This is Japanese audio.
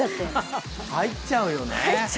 入っちゃうよね。